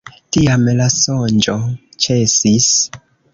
Tiam la sonĝo ĉesis.